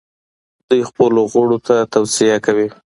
دوی خپلو غړو ته توصیه کوي.